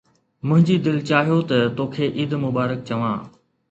منهنجي دل چاهيو ته توکي عيد مبارڪ چوان.